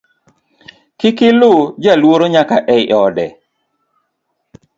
Kik iluw jaluoro nyaka ei ode